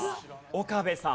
岡部さん。